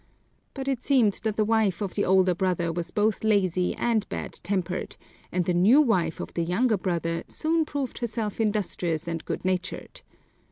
But it seemed that the wife of the older brother was both lazy and bad tempered, and the new wife of the younger brother soon proved herself industrious and good natured.